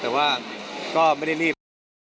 แต่ว่าก็ไม่ได้รีบ